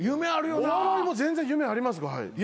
お笑いも全然夢あります。